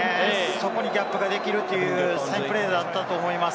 そこにギャップができるというプレーだったと思います。